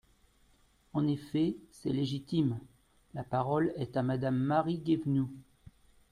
En effet ! C’est légitime ! La parole est à Madame Marie Guévenoux.